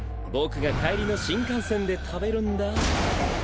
僕が帰りの新幹線で食べるんだ。